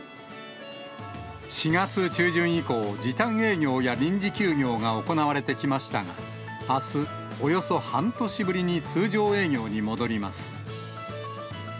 ４月中旬以降、時短営業や臨時休業が行われてきましたが、あす、およそ半年ぶりに通常営業に戻ります。